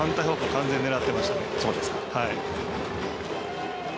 完全に狙ってましたね。